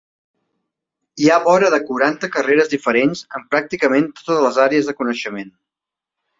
Hi ha vora de quaranta carreres diferents, en pràcticament totes les àrees del coneixement.